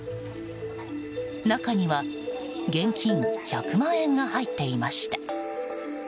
中には、現金１００万円が入っていました。